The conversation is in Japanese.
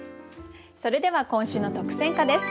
それでは今週の特選歌です。